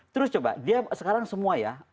terus coba dia sekarang semua ya